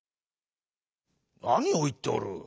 「なにをいっておる。